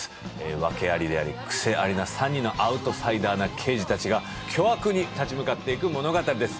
訳ありであり癖ありな３人のアウトサイダーな刑事たちが巨悪に立ち向かっていく物語です。